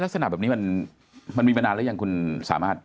สนับแบบนี้มันมีมานานแล้วหรือยังคุณสามารถ